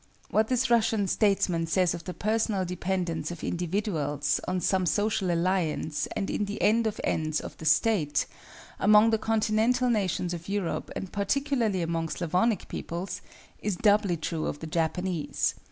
What this Russian statesman says of the personal dependence of individuals on some social alliance and in the end of ends of the State, among the continental nations of Europe and particularly among Slavonic peoples, is doubly true of the Japanese.